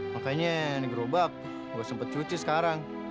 makanya nih gerobak gak sempet cuci sekarang